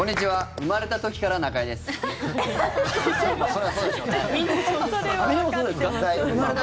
生まれた時から中居です。